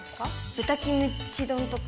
豚キムチ丼とか。